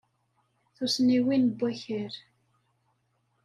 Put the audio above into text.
Tussniwin n wakal.